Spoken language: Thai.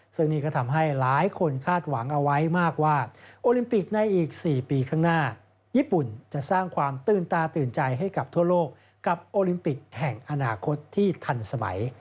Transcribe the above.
ซึ่งนี่ก็ทำให้หลายคนคาดหวังเอาไว้มากว่าโอลิมปิกในอีก๔ปีข้างหน้าญี่ปุ่นจะสร้างความตื่นตาตื่นใจให้กับทั่วโลกกับโอลิมปิกแห่งอนาคตที่ทันสมัย